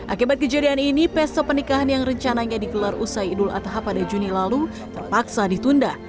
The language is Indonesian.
akibat kejadian ini peso pernikahan yang rencananya digelar usai idul adha pada juni lalu terpaksa ditunda